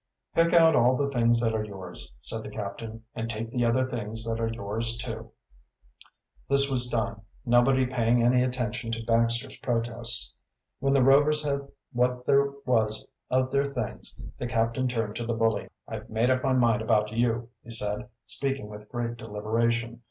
"Pick out all the things that are yours," said the captain. "And take the other things that are yours, too." This was done, nobody paying any attention to Baxter's protests. When the Rovers had what there was of their things the captain turned to the bully. "I've made up my mind about you," he said, speaking with great deliberation.